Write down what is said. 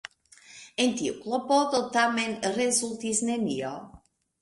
El tiu klopodo tamen rezultis nenio.